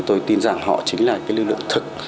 tôi tin rằng họ chính là lưu lượng thực